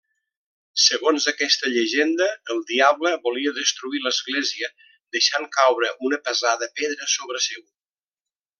Segons aquesta llegenda, el diable volia destruir l'església deixant caure una pesada pedra sobre seu.